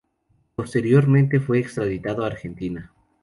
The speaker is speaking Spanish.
Posteriormente fue extraditado a Argentina.